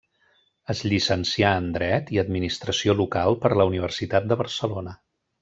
Es llicencià en Dret i Administració Local per la Universitat de Barcelona.